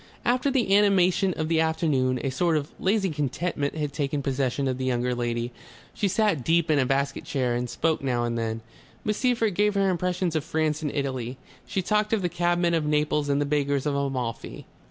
After the animation of the afternoon a sort of lazy contentment had taken possession of the younger lady. She sat deep in a basket chair and spoke now and then. Miss Seyffert gave her impressions of France and Italy. She talked of the cabmen of Naples and the beggars of Amalfi.